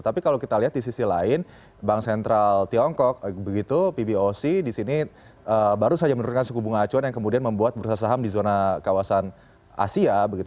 tapi kalau kita lihat di sisi lain bank sentral tiongkok begitu pboc di sini baru saja menurunkan suku bunga acuan yang kemudian membuat bursa saham di zona kawasan asia